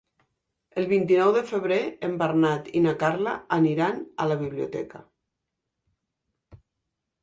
El vint-i-nou de febrer en Bernat i na Carla aniran a la biblioteca.